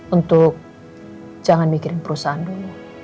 untuk jangan mikirin perusahaan dulu